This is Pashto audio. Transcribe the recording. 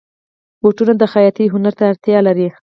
بوټونه د خیاطۍ هنر ته اړتیا لري.